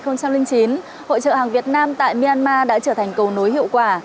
hội trợ hàng việt nam tại myanmar đã trở thành cầu nối hiệu quả